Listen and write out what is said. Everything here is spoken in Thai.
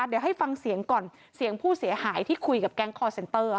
เดี๋ยวให้ฟังเสียงก่อนเสียงผู้เสียหายที่คุยกับแก๊งคอร์เซนเตอร์